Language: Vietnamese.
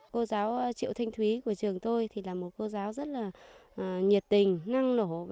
cô giáo triệu thanh thúy của trường tôi thì là một cô giáo rất là nhiệt tình năng nổ